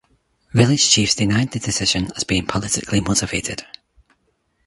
Village chiefs denied the decision as being politically motivated.